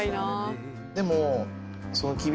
でも。